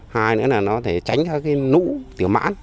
hai nữa là nó có thể tránh các cái nũ tiểu mãn